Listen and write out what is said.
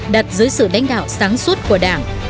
đặt dưới sự đánh đạo sáng suốt của đảng